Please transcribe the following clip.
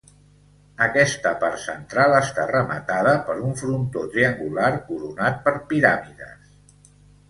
Aquesta part central està rematada per un frontó triangular coronat per piràmides.